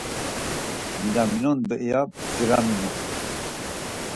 Vidaminon do iya bdziraminon.